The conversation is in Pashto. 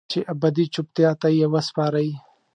چې ابدي چوپتیا ته یې وسپارئ